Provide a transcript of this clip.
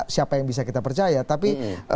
siapa yang bisa kita percaya tapi